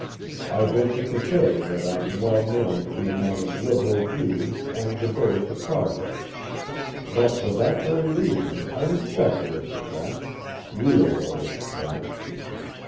I venture to say that I am well known to be a man of liberal views and devoted to progress, but for that very reason I respect aristocrats real aristocrats.